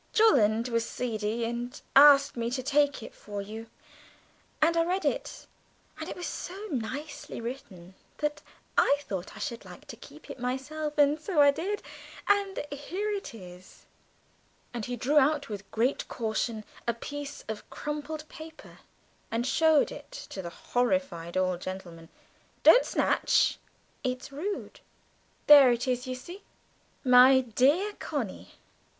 Jolland was seedy and asked me to take it for you, and I read it, and it was so nicely written that I thought I should like to keep it myself, and so I did and here it is!" And he drew out with great caution a piece of crumpled paper and showed it to the horrified old gentleman. "Don't snatch ... it's rude; there it is, you see: 'My dear Connie' ...